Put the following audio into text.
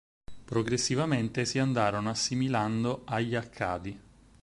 Progressivamente si andarono assimilando agli Accadi.